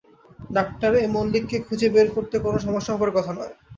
Doctor A মল্লিককে খুঁজে বের করতে কোনো সমস্যা হবার কথা নয়।